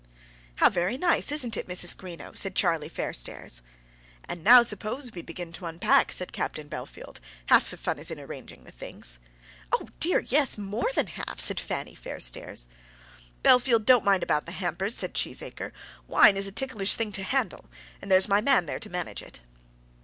"How very nice; isn't it, Mrs. Greenow?" said Charlie Fairstairs. "And now suppose we begin to unpack," said Captain Bellfield. "Half the fun is in arranging the things." "Oh, dear, yes; more than half," said Fanny Fairstairs. "Bellfield, don't mind about the hampers," said Cheesacre. "Wine is a ticklish thing to handle, and there's my man there to manage it."